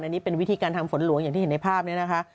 อันนี้เป็นวิธีการทำฝนหลวงอย่างที่เห็นในภาพนี้นะคะ